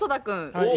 はい！